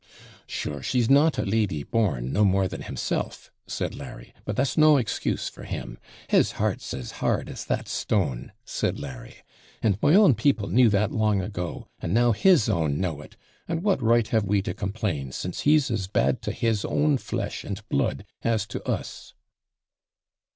'Sure she's not a lady born, no more than himself,' said Larry; 'but that's no excuse for him. His heart's as hard as that stone,' said Larry; 'and my own people knew that long ago, and now his own know it; and what right have we to complain, since he's as bad to his own flesh and blood as to us?'